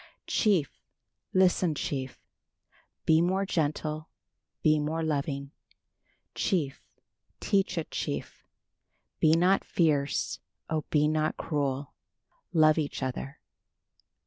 "Chief, listen, chief, Be more gentle; be more loving. Chief, teach it, chief, Be not fierce, oh, be not cruel; Love each other!